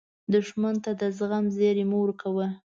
دښمن ته د زغم زیری مه ورکوه